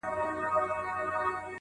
وژني مې سپکوي مې